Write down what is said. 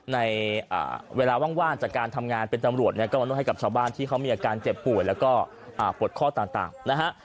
ในเวลาว่างจากการทำงานเป็นตำรวจเนี่ยก็มานวดให้กับชาวบ้านที่เขามีอาการเจ็บป่วยแล้วก็ปวดข้อต่างนะฮะ